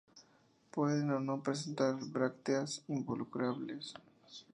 Pueden o no presentar brácteas involucrales.